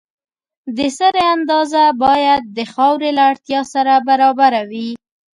د سرې اندازه باید د خاورې له اړتیا سره برابره وي.